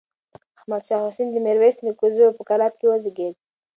احمد شاه حسين د ميرويس نيکه زوی و او په کلات کې وزېږېد.